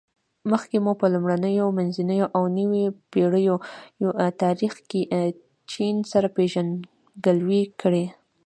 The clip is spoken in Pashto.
مخکې مو په لومړنیو، منځنیو او نویو پېړیو تاریخ کې چین سره پېژندګلوي کړې.